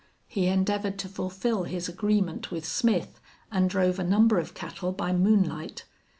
He endeavored to fulfil his agreement with Smith, and drove a number of cattle by moonlight.